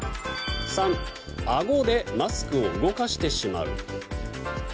３、あごでマスクを動かしてしまう。